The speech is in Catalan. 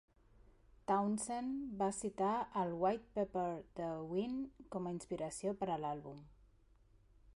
Townsend va citar el "White Pepper" de Ween com a inspiració per a l'àlbum.